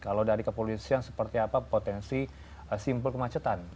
kalau dari kepolisian seperti apa potensi simpul kemacetan